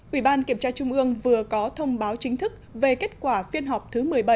ủy ban kiểm tra trung ương vừa có thông báo chính thức về kết quả phiên họp thứ một mươi bảy